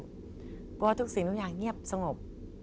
เพราะว่าทุกสิ่งทุกอย่างเงียบสงบ